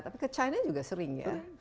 tapi ke china juga sering ya